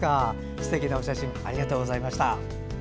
すてきなお写真ありがとうございました。